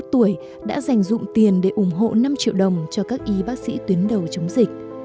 hai mươi một tuổi đã dành dụng tiền để ủng hộ năm triệu đồng cho các y bác sĩ tuyến đầu chống dịch